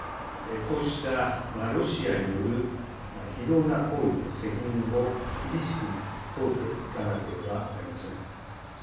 こうしたロシアによる非道な行為の責任を厳しく問うていかなければなりません。